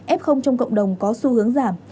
ép không trong cộng đồng có xu hướng giảm